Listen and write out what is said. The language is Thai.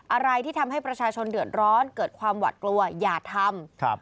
อะไรที่ทำให้ประชาชนเดือดร้อนเกิดความหวัดกลัวอย่าทำ